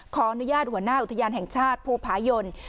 ขออนุญาตหัวหน้าอุทยานแห่งชาติภูผายน